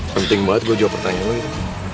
penting banget gua jawab pertanyaan lo gitu